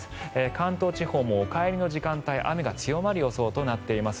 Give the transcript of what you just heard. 関東地方もお帰りの時間帯雨が強まる予想となっています。